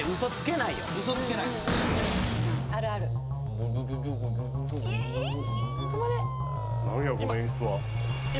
何やこの演出は今今！